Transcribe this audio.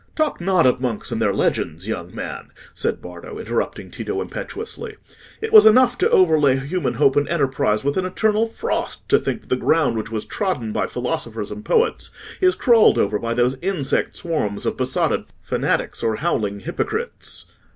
"Talk not of monks and their legends, young man!" said Bardo, interrupting Tito impetuously. "It is enough to overlay human hope and enterprise with an eternal frost to think that the ground which was trodden by philosophers and poets is crawled over by those insect swarms of besotted fanatics or howling hypocrites."